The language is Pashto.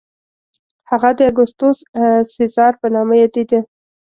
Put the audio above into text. هغه د اګوستوس سزار په نامه یادېده.